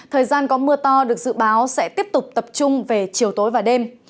thời gian có mưa to được dự báo sẽ tiếp tục tập trung về chiều tối và đêm